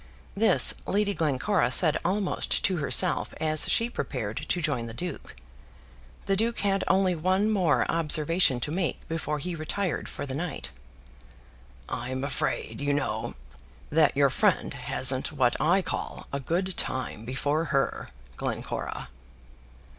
This Lady Glencora said almost to herself as she prepared to join the duke. The duke had only one more observation to make before he retired for the night. "I'm afraid, you know, that your friend hasn't what I call a good time before her, Glencora."